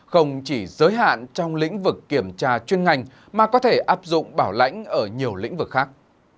không chỉ giới hạn trong lĩnh vực kiểm tra chuyên ngành mà có thể áp dụng bảo lãnh ở nhiều lĩnh vực khác